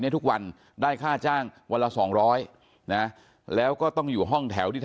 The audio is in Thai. อายุ๑๐ปีนะฮะเขาบอกว่าเขาก็เห็นถูกยิงนะครับ